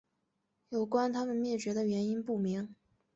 有关它们灭绝的原因不明。